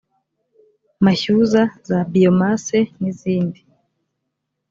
mashyuza za biyomase n izindi